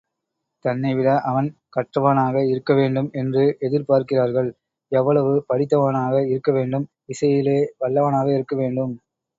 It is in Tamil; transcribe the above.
தன்னைவிட அவன் கற்றவனாக இருக்கவேண்டும் என்று எதிர் பார்க்கிறார்கள். எவ்வளவு படித்தவனாக இருக்கவேண்டும்? இசையிலே வல்லவனாக இருக்கவேண்டும்.